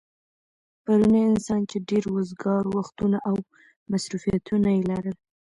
پرونی انسان چې ډېر وزگار وختونه او مصروفيتونه يې لرل